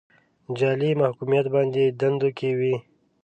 جعلي محکوميت بانکي دندو کې وي.